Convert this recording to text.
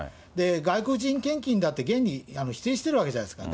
外国人献金だって現に否定してるわけじゃないですか。